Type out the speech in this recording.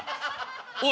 おい。